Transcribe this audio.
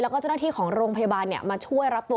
แล้วก็เจ้าหน้าที่ของโรงพยาบาลมาช่วยรับตัว